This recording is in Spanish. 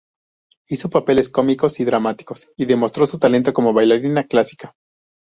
Hizo papeles cómicos y dramáticos y demostró su talento como bailarina clásica.